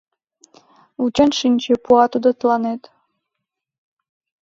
Вучен шинче, пуа тудо тыланет.